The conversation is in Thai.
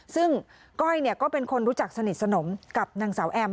ซึ่งก้อยก็เป็นคนรู้จักสนิทสนมกับนางสาวแอม